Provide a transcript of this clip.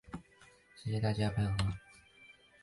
谢谢大家的配合